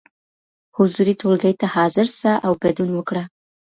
حضوري ټولګي ته حاضر سه او ګډون وکړه.